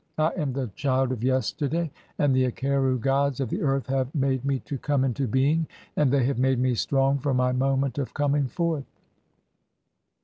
I am the child "of yesterday and the Akeru (48) gods of the earth have made "me to come into being, and they have made me strong for my "moment [of coming forth].